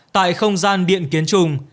tại không gian điện kiến trung